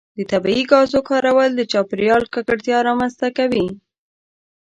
د طبیعي ګازو کارول د چاپیریال ککړتیا رامنځته کوي.